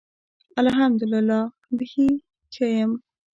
الحمدالله. بیخي ښۀ یم.